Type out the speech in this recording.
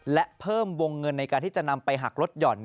และเพิ่มวงเงินในการที่จะนำไปหักลดหย่อน